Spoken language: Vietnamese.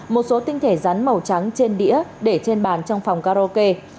một số tinh thể rắn màu trắng trên đĩa để trên bàn trong phòng karaoke